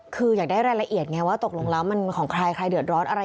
คืออยากได้รายละเอียดไงว่าตกลงแล้วมันของใครใครเดือดร้อนอะไร